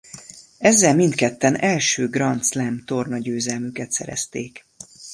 Ezzel mindketten első Grand Slam-tornagyőzelmüket szerezték.